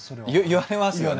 言われますよね？